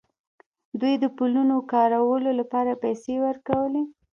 دوی د پلونو کارولو لپاره پیسې ورکولې.